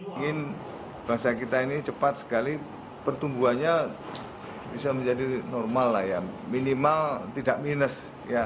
ingin bangsa kita ini cepat sekali pertumbuhannya bisa menjadi normal lah ya minimal tidak minus